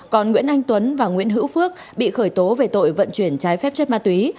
còn nguyễn anh tuấn và nguyễn hữu phước bị khởi tố về tội vận chuyển trái phép chất ma túy